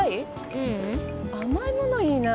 ううん。あまいものいいな。